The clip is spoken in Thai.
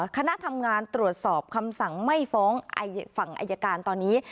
คณะทำงานตรวจสอบคำสั่งไม่ฟ้องฝั่งอายการตอนนี้